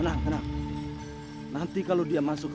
sampai jumpa di video selanjutnya